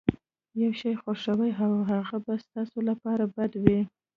يو شی خوښوئ او هغه به ستاسې لپاره بد وي.